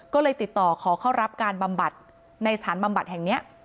ก็เลยติดต่อขอเข้ารับการบำบัดในสถานบำบัดแห่งนี้